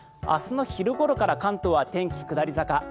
明日の昼ごろから関東は天気下り坂。